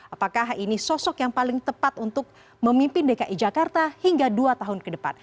apakah ini sosok yang paling tepat untuk memimpin dki jakarta hingga dua tahun ke depan